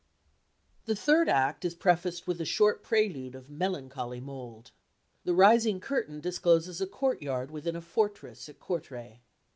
The third act is prefaced with a short prelude of melancholy mould. The rising curtain discloses a courtyard within a fortress at Courtray.